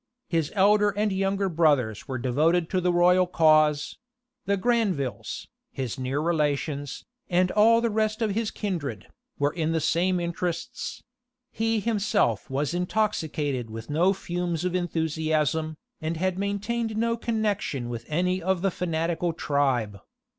His elder and younger brothers were devoted to the royal cause: the Granvilles, his near relations, and all the rest of his kindred, were in the same interests: he himself was intoxicated with no fumes of enthusiasm, and had maintained no connections with any of the fanatical tribe.